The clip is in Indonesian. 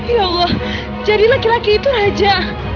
ya allah jadi laki laki itu raja